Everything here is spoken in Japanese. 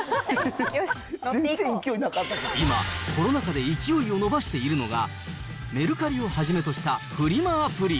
今、コロナ禍で勢いを伸ばしているのが、メルカリをはじめとしたフリマアプリ。